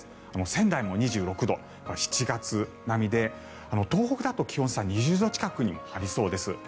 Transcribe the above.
仙台も２６度７月並みで東北だと気温差２０度近くになりそうです。